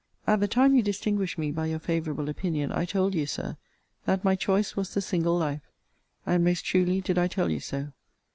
At the time you distinguished me by your favourable opinion, I told you, Sir, that my choice was the single life. And most truly did I tell you so.